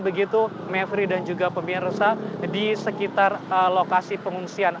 begitu mevri dan juga pemirsa di sekitar lokasi pengungsian